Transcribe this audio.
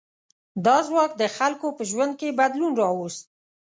دا ځواک د خلکو په ژوند کې بدلون راوست.